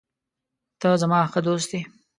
ته زما ښه دوست یې.